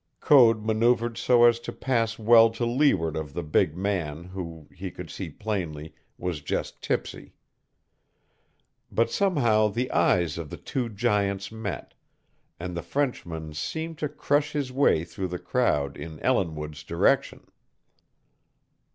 Code maneuvered so as to pass well to leeward of the big man who, he could see plainly, was just tipsy. But somehow the eyes of the two giants met, and the Frenchman seemed to crush his way through the crowd in Ellinwood's direction.